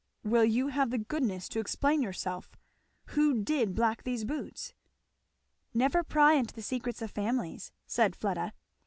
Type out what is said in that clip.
"Will you have the goodness to explain yourself? Who did black these boots?" "Never pry into the secrets of families," said Fleda.